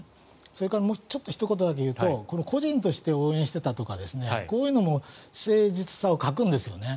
それから、ひと言だけ言うと個人として運営をしていたとかこういうのも誠実さを欠くんですよね。